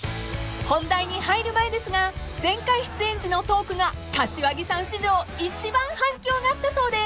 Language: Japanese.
［本題に入る前ですが前回出演時のトークが柏木さん史上一番反響があったそうで